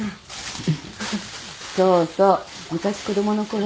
そうそう昔子供のころ